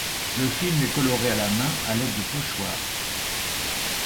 Le film est coloré à la main à l’aide de pochoirs.